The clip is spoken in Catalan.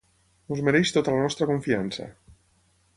Ens mereix tota la nostra confiança.